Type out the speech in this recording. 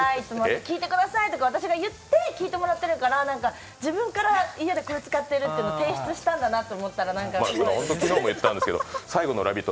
聞いてくださいとかって私が言って聞いてもらってるから、自分から家でこれを使ってるって提出したんだなと思ったら何だかホント昨日も言ったんですけど、最後の「ラヴィット！」